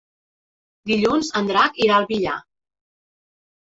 Dilluns en Drac irà al Villar.